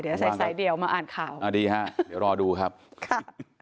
เดี๋ยวใส่สายเดี่ยวมาอ่านข่าวอ่าดีฮะเดี๋ยวรอดูครับค่ะ